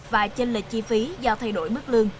và chênh lệch chi phí do thay đổi mức lương